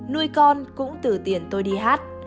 nuôi con cũng từ tiền tôi đi hát